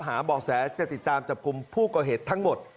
หาบ่อแสจะติดตามจับกลุ่มผู้ก่อเหตุทั้งหมด